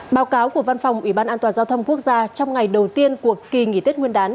báo cáo của văn phòng ủy ban an toàn giao thông quốc gia trong ngày đầu tiên của kỳ nghỉ tết nguyên đán